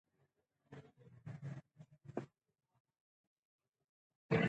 هغه د پښتنو د حقونو لپاره مبارزه وکړه.